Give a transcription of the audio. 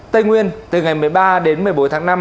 tây nguyên từ ngày một mươi ba đến một mươi bốn tháng năm